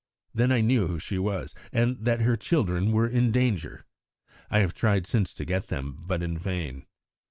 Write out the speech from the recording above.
Then I knew who she was, and that her children were in danger. I have tried since to get them, but in vain.